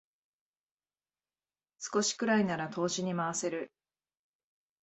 少しくらいなら投資に回せる